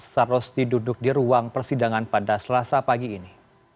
sar rosti duduk di ruang persidangan pada selasa pagi ini